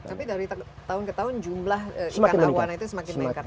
tapi dari tahun ke tahun jumlah ikan awan itu semakin meningkat